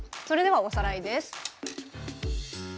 それではおさらいです。